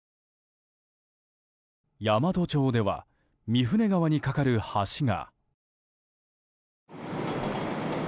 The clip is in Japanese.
山都町では御船川に架かる橋が。